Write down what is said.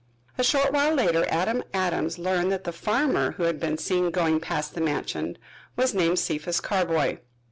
A short while later Adam Adams learned that the farmer who had been seen going past the mansion was named Cephas Carboy.